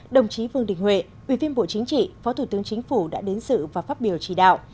đồng chí vương đình huệ ủy viên bộ chính trị phó thủ tướng chính phủ đã đến sự và phát biểu chỉ đạo